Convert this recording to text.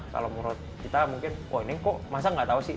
kalau menurut kita mungkin oh ini kok masa nggak tahu sih